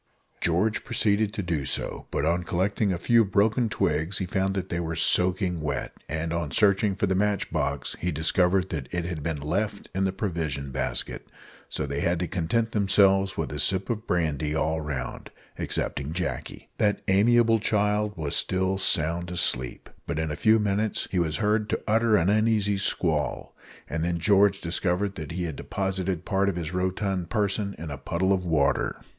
George proceeded to do so; but on collecting a few broken twigs he found that they were soaking wet, and on searching for the match box he discovered that it had been left in the provision basket, so they had to content themselves with a sip of brandy all round excepting Jacky. That amiable child was still sound asleep; but in a few minutes he was heard to utter an uneasy squall, and then George discovered that he had deposited part of his rotund person in a puddle of water.